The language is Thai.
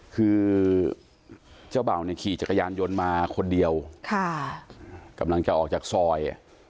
คือเจ้าเบ่าเนี่ยขี่จักรยานยนต์มาคนเดียวกำลังจะออกจากซอย